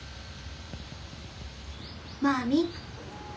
マミ。